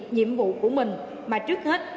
nhiệm vụ của mình mà trước hết